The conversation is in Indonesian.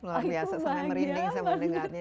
luar biasa sampai merinding saya mendengarnya